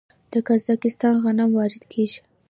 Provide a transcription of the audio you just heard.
د قزاقستان غنم وارد کیږي.